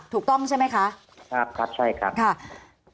ถูกต้องใช่ไหมคะครับใช่ครับค่ะ